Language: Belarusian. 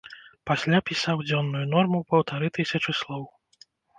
Пасля пісаў дзённую норму ў паўтары тысячы слоў.